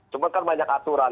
cuma kan banyak aturan